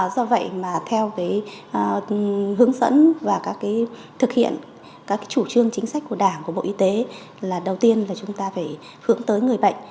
do vậy mà theo cái hướng dẫn và thực hiện các chủ trương chính sách của đảng của bộ y tế là đầu tiên là chúng ta phải hướng tới người bệnh